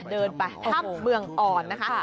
เดินไปถ้ำเมืองอ่อนนะคะ